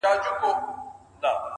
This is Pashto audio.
څارنوال ته سو معلوم اصلیت د وروره,